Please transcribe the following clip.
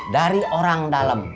dari orang dalem